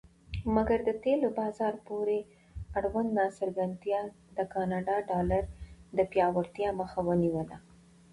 مګر د تیلو بازار پورې اړوند ناڅرګندتیا د کاناډا ډالر د پیاوړتیا مخه ونیوله.